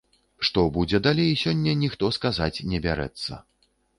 Што будзе далей, сёння ніхто сказаць не бярэцца.